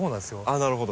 なるほど。